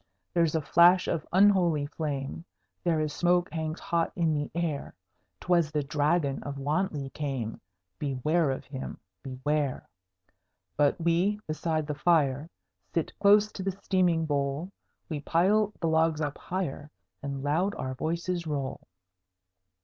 There's a flash of unholy flame; There is smoke hangs hot in the air: 'Twas the Dragon of Wantley came: Beware of him, beware! But we beside the fire Sit close to the steaming bowl; We pile the logs up higher, And loud our voices roll.